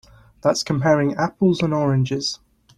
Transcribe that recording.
That's comparing apples and oranges.